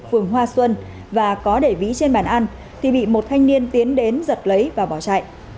phường hoa xuân và có để vĩ trên bàn ăn thì bị một thanh niên tiến đến giật lấy và bỏ chạy